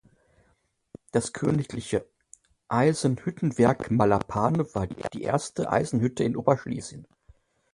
Das Königliche Eisenhüttenwerk Malapane war die erste Eisenhütte in Oberschlesien.